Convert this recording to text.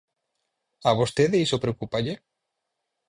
A vostede iso preocúpalle?